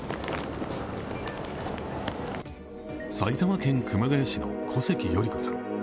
埼玉県熊谷市、小関代里子さん。